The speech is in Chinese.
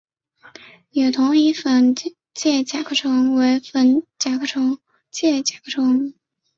野桐蚁粉介壳虫为粉介壳虫科蚁粉介壳虫属下的一个种。